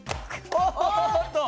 おっと！